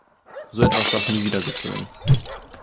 So etwas darf nie wieder geschehen.